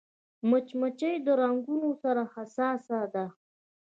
مچمچۍ د رنګونو سره حساسه ده